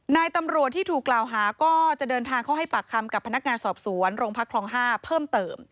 นายตำรวจที่ถูกกล่าวหาก็จะเดินทางเข้าให้ปากคำกับพนักงานสอบสวนโรงพักคลอง๕เพิ่มเติม